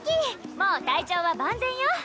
もう体調は万全よ。